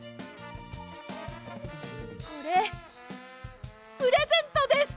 これプレゼントです！